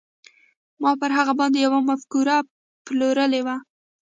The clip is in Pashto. ما پر هغه باندې يوه مفکوره پلورلې وه.